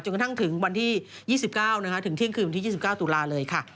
กระทั่งถึงวันที่๒๙ถึงเที่ยงคืนวันที่๒๙ตุลาเลยค่ะ